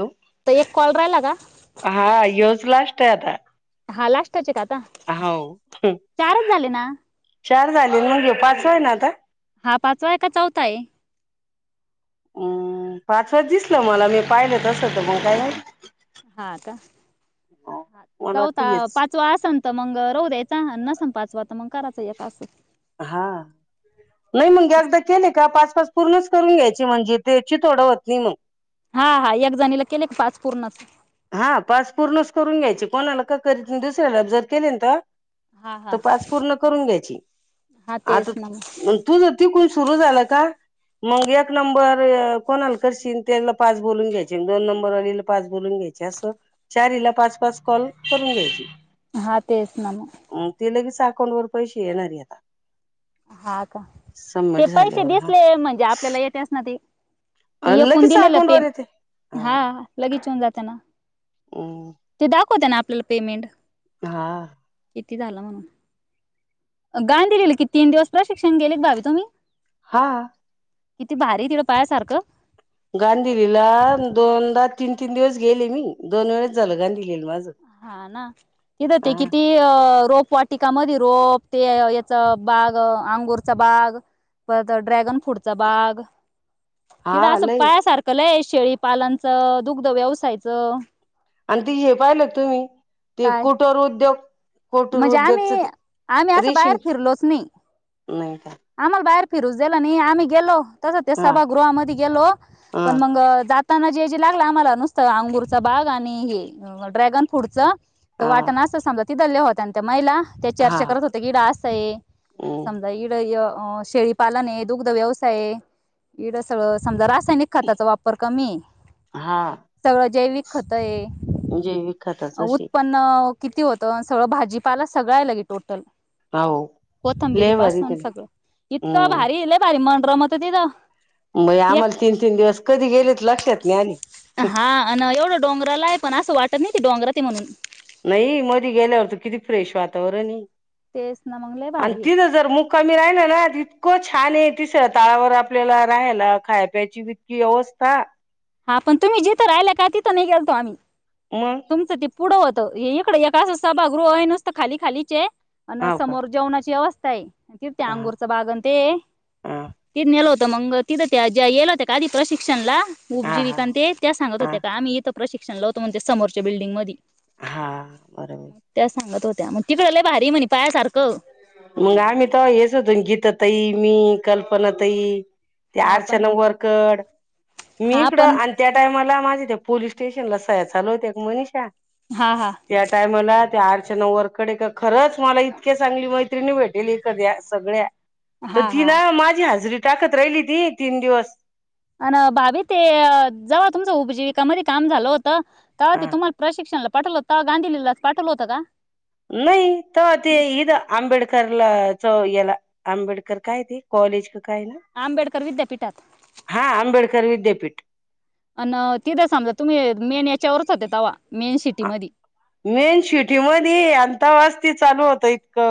Hello तर एक call राहिला का हा होच लास्ट करा हा लास्ट हाव चारच झाले ना चार झाले मग घे पाच [unintelligible] हा पाचवा आहे का चौथा आहे? अम् पाचवा दिसलं मला मी पाहिलं तसं तर मग काय माहिती? हा का मला वाटतं चौथा हेच पाचवा आसन त मंग राहु द्यायचा नसन पाचवा तर मग कराचचा मग एक असं हा नाही मग एकदा केले का पाच-पाच पूर्णच करून घ्यायची म्हणजे तेची थोडं होत नाही मग हा हा एक जणीला केले की पाच पूर्णच. हा पास पूर्णच करून घ्यायचे. कोणाला का कर दुसऱ्याला जर केले तहा हा हा तपास पूर्ण करून घ्यायची. हा आता तेच ना मग तू जर तीकुण सुरु झाला का मग एक नंबर अ कोणाला करशीन तेला पाच बोलून घ्यायचे दोन नंबर वालीला पाच बोलून घ्यायचे. चार हिला पाच- पाच कॉल करून घ्यायचे. हा तेच ना मग म ते लगेच त्या अकाउंट वर पैसे येणारे आता हा का? ते सबमिट पैसे झाल्यावर दिसले म्हणजे आपल्याला येते असना ते. हा येकून लगेच दिलेलं अकाउंट वर पेम येते हा लगेच येऊन जात ना. ते द्याव कोण देणार आपल्याला पेमेंट? हा किती झाला म्हणून गांदिलेलेल कि तीन दिवस प्रशिक्षण गेले भावी तुम्ही हा किती भारी तिडं पायासारखं गांधीलीला दोनदा तीन तीन दिवस गेले मी दोन वेळेस झाल गांधी हा ना तिथं ते हा किती अ रोप वाटीकामध्ये रोप ते याच बाग अंगूरचा बाग परत ड्रॅगन फ्रूटचा बाग तीकड हा असं लय पायासारख लय शेळीपालनचं, दुग्ध व्यवसायाचं आन कधी हे पाहिलं तुम्ही ते कुटोर उद्योग. कुटर म्हजे उद्योगच आम्ही आम्ही असं बाहेर फिरलोच नाही. नई फिरूज देल नाही आम्ही गेलो. तस ते सभागृहामध्ये गेलो हा पण मग जात ताना जे जे लागलं आम्हाला नुसतं अंगूरचा बाग आणि हे ड्रॅगन फ्रूटच त हा वाट ना असं समजत तिथल्या होत्या न त्या महिला? त्या हा चर्चा करत होत्या की डास हय हम्म समजा इ य शेळीपालन ये, दुग्ध व्यवसायये इकड सगळं समजा रायनिक खताचा वापर कमीये हा सगळं जैविक खतय जैविक खताच अशी उत्पन्न किती होतं सगळं भाजीपाला सगळा आलय की टोटल का ओ लई भारी काम केलं सगळ इतकं भारी लयभारी म रमत तिथ बया आम्हाला तीन तीन दिवस कधी गेलेत लक्षात नाय आली हा अन एवढं डोंगराला आहे पण असं वाटत नाय ते डोंगरातय म्हणून नाई मधी गेल्यावर त किती फ्रेश वातावरण आहे. तेच ना मग लय आणि भारी आहे. तिद जर मुक्कामी राहिल ना इतकं छानये ती स्वःतावर आपल्याला राहायला खाय प्यायची इतकी व्यवस्था हा पण तुम्ही जिथं राहिल्या का तिथं नाही गेलतो आम्ही म तुमचं ते पुढं होतं इकडं एक असच सभागृह आहे नसत खाली खालीचे अन हाव का समोर जेवणाची व्यवस् काय तिद ते हा अंगूरच बागण ते हा तीद नेल होत. मंग तिथं त्या ज्या गेल्या होत्या का आधी प्रशिक्षणला? हा हा उपजिविकांते त्या सांगत हा होत्या का आम्ही इथ प्रशिक्षणाला होते म्हणेत समोरच्या बिल्डिंग मधी हा बराबर त्यामुळं तिकड लय भारी हाय म्हणा पाया सारखं मंग आम्ही तर हेच होतो गीता तई मी कल्पना तई त्या हा पण अर्चना वरकड मी हा इकडं पण आणि त्या टाइमाला माझ तिथे पोलीस स्टेशनला सह्या चालु होत्या गं मनीषा हा हा त्या टायमाला त्या आर अर्चना वरखडे का खरंच मला इतके चांगली मै त्रीणी भेटेली कद्या सगळ्या तर हा हा तिला माझी हाजरी टाकत राहिलीती तीन दिवस अन भाभी ते जाव तुमचं उपजीविकामध्ये काम झालं होत त काओ ते हा तुम्हाला प्रशिक्षणला पाठवला होता गांधीलीलाच पाठवला होतो का? नाही तवा ते इथ आंबेडकरला च याला आंबेडकर काय ते कॉलेज काय नाव आंबेडकर विद्यापीठात हा आंबेड तर विद्यापीठ अन तिथं समजा तुम्ही मेन याच्यावरच होत्या तवा.... मेन सिटी आ मध्ये मेन शिटी मधी ये आन तवाच.... ते चालू होतं इतकं...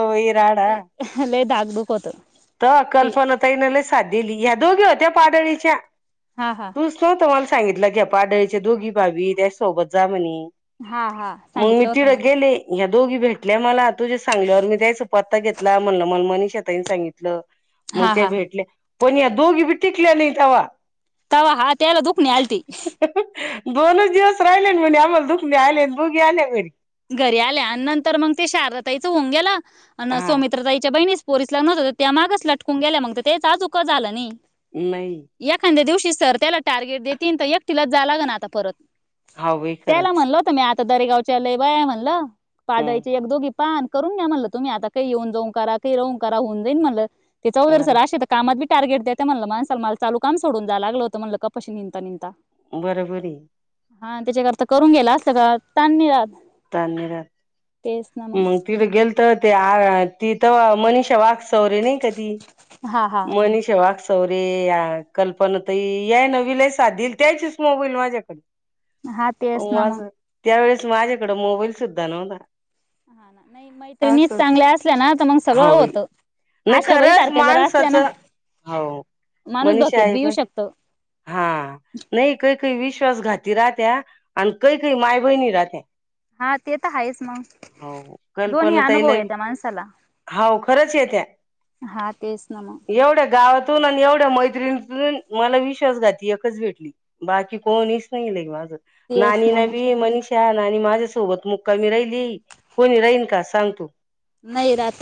ही लय दा... दुखत... तवा कल्पना ताईनि लई साथ दिली ह्या दोघी होत्या पाडली...... च्या हा हा तू स तम्हाला सांगितलं की पाडळीचे दोघी भाबी त्याच्यास सोबत जा म्हणी.. हा हा सांगितलं होत ना.. या् दोघी भेटल्या मला....... तुझ्या सांगल्यावर मी त्याचा पत्ता घेतला म्हणलं म मणी...... [unintelligible] [inaudible] मग हा त्या हा भेटल्या....... पण या दोघी भी टिकल्या नाही तवा तवा हा त्याला दुखणे आलते. दोनच दिवस राहिले म्हणे आम्हाला दुखणे आले दोघी आल्या घरी. घरी आल्या आणि नंतर मग ते शारदतााईचं होऊन गेलं अ हा सौमित्रतााईच्या बहिणीस पोरीस लग्न नव्हत तर त्या मागच लटकून गेल्या मग त्याचं अजुक झालं नाही..... नाही याखाद्या दिवशी सर त्याला.... टार्गेट देतीन त एकटीलाच जायला लागण आता परत...... हा बाई खरंच. पुदारी गावाच्या लय.... व्हया म्हणलं.... पाडळीच्या हम्म एक दोघी.... पान.... करून घ्या म्हणलं तुम्ही आता काही येऊन जाऊन करा काही राहू करा होऊन जाईन म्हणलं. ते चौधरी सर बरं अशे त कामात.... टार्गेट देता म्हणलं माणसाला मला चालू काम सोडून जाय लागलं होतं म्हणलं कपाशी निदंता निदंता...... बरोबर ये... हा त्याच्याकरता करून गेला असल का ताण नाही राहत तरात मगताण नाही राहत तेच ना मंग मग तीड गेलतो. त त्या ती तवा मनिषा वाग...... सौरी नाही का ती...... हा हा मनीषा.. तोरे याक कल्पना ताई यानं बी लई साथ दिलंती यांचे च मोबाईल माझ्याकड... हा हो तेच ना मग अस त्या वेळेस... [unintelligible] तीकड मोबाईल सुद्धा नव्हता. हा नाही मैत्रिणीच असं चांगल्या असल्या ना त मग सगळं हो बाई होत नाही आशाबाई खरंच सारख्या जर असल्या ना माणसाचं हो माणूस मनीषा धोक्यात आहे बी येऊ बाई शकतो. वीश्वास घाती राहत्या आणि कही कही माय बहिणी राहत्या. हा ते त हाहेच मग हो दोन्ही कल्पना ताईला अनुभव येत त्या माणसाला हाव खरंच येत्या हा तेच ना म एवढ्या गावातून आणि एवढ्या मैत्रीणीतून मला विश्वास घाती एकच भेटली बाकी कोणीच नाही ले माझ तेच नानी ना मग न बी मनीष शान आणि माज माझ सोबत मुक्कामी राहिली कोणी राहीन का सांग तू. नाही रात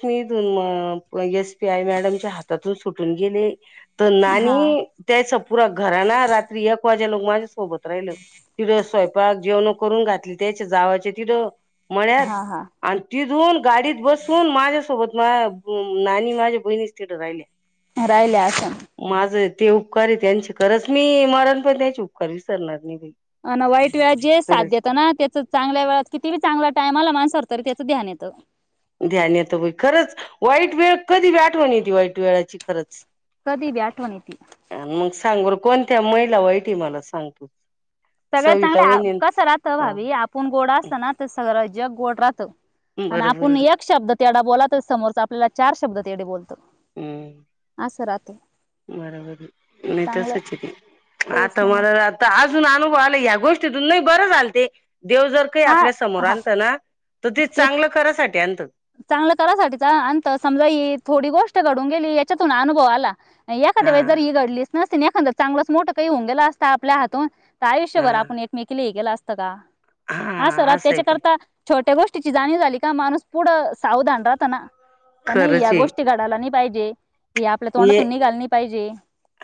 ईथून म एस पी आय मॅडमच्या हातातून सुटून गेले. त हा नाणी त्यायचा पुूरा घराना रात्री एक वाज ते लोक माझ्यासोबत राहिल तिड स्वयंपाक जेवण करून घातली त्याच्या जावाचे तिड मळ्यात हा हा आणि तीच तीथुन गाडीत बसून माझ्यासोबत माह्या नाणी माझ्या बहिणीच्या तिथ राहिले राहिल्या असन ते उपकार त्यांची खरंच मी मरन पण त्यांचे उपकार विसरणार नाही बाई हा ना वाईट वेळेच जे साथ खरंच देत ना त्याच चांगल्या वेळात किती बी चांगला टाइम आला ना तरी त्याचं ध्यान येतं. ध्यान येत बाई खरंच वाईट वेळ कधी बी आठवण येती वाईट वेळाची खरंच. कधी बी आठवण येती. आण मग सांग बर कोण? त्यामैला वाईट मला सांगत. सगळ्यात चांगले कसं राहत भाबी आपुण गोड असल ना ते सगळं जग गोड राहत त [inaudible] आणि बरोबर आहे आपूण एक शब्द तेढा बोला तर समोरचा आपल्याला चार शब्द तेढ बोलतो हम्म आस राहत. ते अ बरोबर नाही तसचे ते तेच आता ना मग मला आता आज अजून अनुभव आला ह्या गोष्टीतून नाही बरं झाल ते. देव जर काही हा आपल्या समोर हा आणत ना त ते चांगलं करासाठी आणत चांगल करासाठीच आणत समजा ही थोडी गोष्ट घडून गेली त्याच्या तुन अनुभव आला. एखाद्या हा वेळेस जर ही रडलीस. नसती एखाद्य चांगलंच मोठं काही होऊन गेल असत आपल्या हातून त हा आयुष्भर आप एकमेकीला हे केल असं पुस्तका हा सरा असं आहे पण त्याच्याकरता छोट त्या गोष्टीची जाणीव झाली का माणस पुढं सावधान राहात ना का नाई या खरंच आहे गोष्टी घडायला न्हाईत पाहिजे हे आपल्या ये तोंडातून निघालं नाही पाहिजे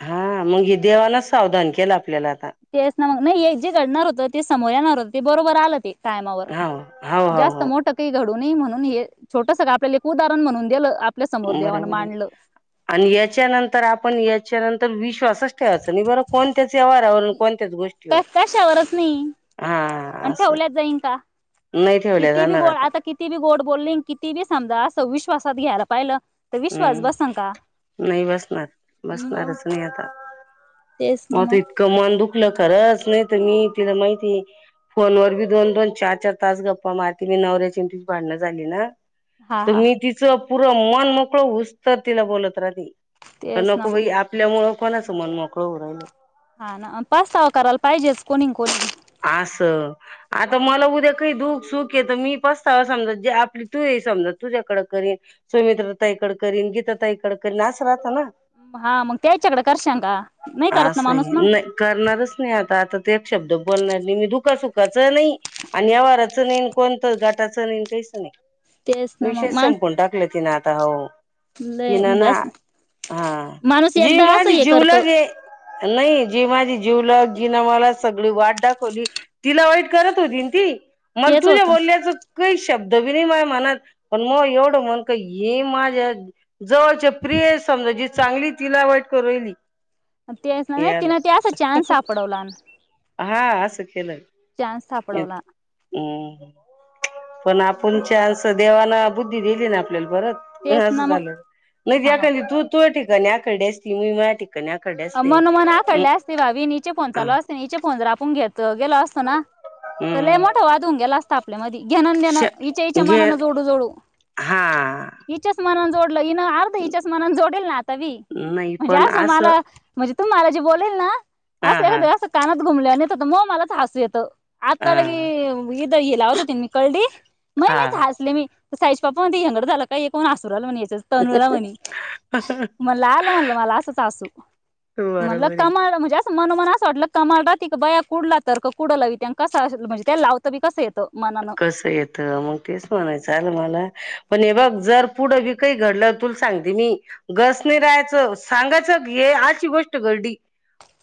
हा म्हणजे देवाला सावधान केलं आपल्याला आता [inaudible] ह नाही हे जे घडणार होतं ते समोर येणार होते ते बरोबर आलं ते टायमावर हा हो हो जास्त हो मोठ कही घड कोणी म्हणून हे छोटस ग आपल्या एक उदाहरण म्हणून दिलं आपल्या समोर देवानं बरोबरये मांडलं आणि याच्यानंतर आपण याच च्यानंतर विश्वासच ठेवाय नाही बरं कोणत्याच व्यवहारावर कोणत्याच गोष्टीवर कशावरच नाही हा आणि असं ठेवल्यात जाईन का नाही ठेवल्या किती बी जाणार गोड आता किती बी गोड बोलली किती बी समजास विश्वासात घ्यायला पाहिलं. तर विश्वास बसन का हूं नाई बसणार मग बसणारच नाई आता तेच ना माझ त मग इतकं मन दुखलं खरंच नाय तुम्ही तिथ माहिती फोनवर बी दोन दोन चार चार तास गप्पा मारती नी नवऱ्याची न तिची भांडणं झाली ना हा तर हा मी तिचा पूर मनमोक हो उस्तर तिला बोलत राहली का तेच ना नको मग बाई आपल्यामुळ कोणाचं मन मोकळं ओ राहिल हा ना अ पाच सहा करायला पाहिजेच कोणी कोणी आसं आता मला उद्या काही दु चुक ये त मी पसतावा समज जे आपली तू ये समजा तुझ्याकड करीन सुमित्रतााईकड करीन गीतातााईकड करीन असं राहत ना. हा मग त्या याच्याकडे करशां का नाही करत ना माणूस ना तेच शब्द बोलणार नाही मी दुख सुुखाचं नाही आणि आवाराचं नाही कोणतं घाटाचं नाहीन काहीच नाही. तेच ना मग विशेष माणस संपून टाकलं तिन आता हो लय तिनं म्हणजे ना असं हा माणूस जी एकदा असं माझी हे करत जीवलागे नाही जी माझी जीवलग जी ना मला सगळी वाट दाखवली तिला वाईट करत होतीन ती मग तेच तुझ्या होत बोलल्याचं काहीस शब्द बी नाय माया मनात पण, माय एवढं मन काय हे माझ्या जवळच्या प्रिय समजा जी चांगली तिला वट करायली ते नाही तिनं त्या अस चान्स सापडवला हा असं केलं चान्स सापडवला अंम्म [inaudible] पण आपण चान्स देवाांन बुद्धी दिली ना आपल्याला परत जर तेच अस ना मग झाल नइतर तु हा एखादी तुरटी गण्याकडे सिमे मराठी हा मनोमन आखडले असतिल हा विनिचे फोन चालु असतिल अन इचे फोन जर आपण पुंग्यात त गेला असताना त लै हम्म मोठा वाद होऊन गेला अस तापल्यामधी घेण न देण श इच्या इच्या गे मनान जोडू जोडु हा इच्याच मनान जोडू म्हणल अर्ध हीन इच्याच मनान जोडेल आता बी नाही म्हणजे पण आस असं मला मि तुम्हांला जे बोलेल ना हा असं हा एखाद अस कानात घुमल्या नय तर मोह मलाच हसु येत आ हा तलगी इत त हे लावत होती मी कलडी माइ हा मिच हासलेमि साईचे पप्पा म्हणत्या हेंगड झालय का हे कोण हसु राहील म्हणे हे तनुला म्हणी म्हणल आल म्हणला मला आसच हासु म्हणल बरोबर आहे कमाल [unintelligible] मनोमन अस वाटल कमाल राहतीग बया कुढला तर्क कुड लावीत्यान त्यांना लावताबी कसा येतो कस येत मग तेच म्हणायचये ना मला पण हे बघ जर पुढ बी काय घडल तुला सांगते मि गच नाय रहायच म सांगायच ही अशी गोष्ट घडली.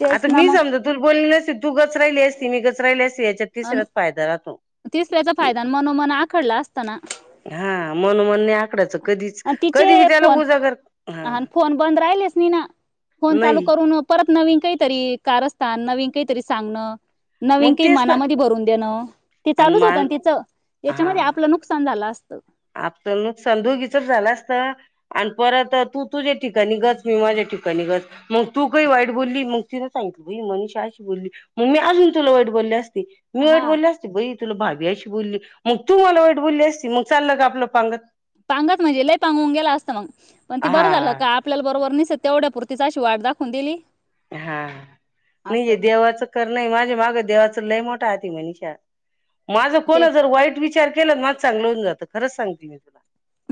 तेच आता ना मी मग समजा तुला बोलेलच तू गचराहिली असती मी गचराहिली असती याच्यात अन तिसऱ्याच फायदा राहतो. तिसऱ्याचा फायदान मनोमन आखडला असता ना हा मन म्हणणे आकडाचं कधीच अन कधी तिचेही बी त्याला फोन उजागर हा अन फोन बन्द लाहीलेच नाहीना फोन चालु नाही करून अन परत नवीन काहीतरी कारस्थान नवीन काहीतरी सांगणं. नवीन मग काही तेच ना मनामध् करुन देण ते आणि चालुच होत मान तिच त्याच्यामध्ये आपल नुकसान झालं असतं [inaudible] आपल नुकसान दोघीचं झाल असत आणि परत तू तुझ्या ठिकाणी गप मी माझ्या ठिकाणी गप मग तू काही वाईट बोलली मग तिन सांगितलं बाई मनीषा अशी बोलली मग् मी अजून तुला वाईट बोलले असते. [unintelligible] मी वाईट हा बोलले असते बाई तु मागे अशी बोलली मग तू मला वाईट बोलली असती मग चाललं का आपलं पांगत पांगात म्हणजे लय पांगुन गेल असतं मग पण ती हा बरं झालं का? आपल्याला बरोबर निस तेवढ्यापूर्तीच अशी वाट दाखवून दिली. हा नाहीे असं देवाचं कर नाही माझे मागं देवाचं लय मोठ साधी मनीषा माझं ते कोण जर वाईट विचार केलं मग चांगलं होऊन जात खंरच सांगते मी तुला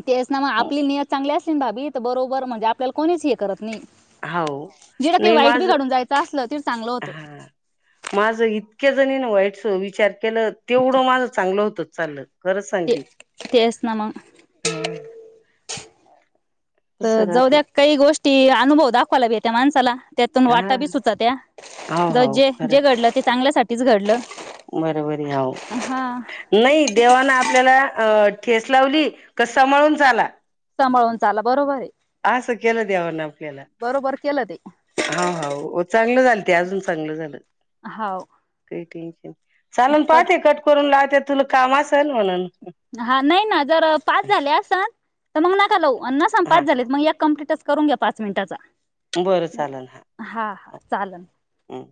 तेच ना मग आपली नियत चांगली असली ना भाभी बरो बरं म्हणजे आपल्याला कोणीच हे करत नाही हाव जिडं काही नाही वाईट माझ बी काढून जायचं असलं तरी चांगलं होतं हा माझ इतकेच [unintelligible] केलं तेवढं माझं चांगलं होतं. चाललं. खरंच ते सांगते तेच ना मग हा तस तर राहत जाऊद्यात काही गोष्टी अनुभव दाखव त्या माणसाला त्यातून हा वाटा बी हाव सुटत्या जे जे घडलं ते चांगल्यासाठी तेच घडलं [inaudible] बरोबरी हो हा नाही देवाना आपल्याला आ ठेच लावली का? सांभळून चाला सांभळून चाला बरोबर आहे असं केलं देवा ना आपल्याला बरोबर केलं ते हाव हाव हो चांगलं झालं ते अजून चांगलं झालं. हाव चालेल पर पाहाटे कट करून लावते. ते तुला काम असेल म्हणून हा नाही ना जर पाच झाले असल तर मग नका लाऊ अण् नसलं हा पाच झालेत मग एक कंप्लीटच करून घ्या पाच मिनिटाचा बरं चालन [inaudible] हा हा हो चाललं हम्म